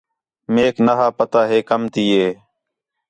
میک نا ہا پتہ ہِے کم تی ہِے